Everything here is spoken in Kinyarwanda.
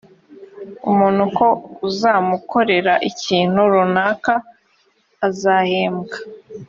umuntu ko uzamukorera ikintu runaka azahembwa